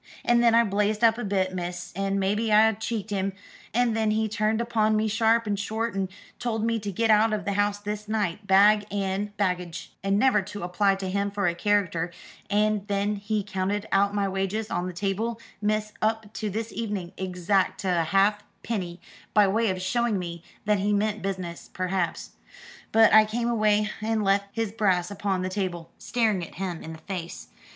And then I blazed up a bit, miss, and maybe I cheeked him: and then he turned upon me sharp and short and told me to get out of the house this night, bag and baggage, and never to apply to him for a character; and then he counted out my wages on the table, miss, up to this evening, exact to a halfpenny, by way of showing me that he meant business, perhaps. But I came away and left his brass upon the table, staring at him in the face.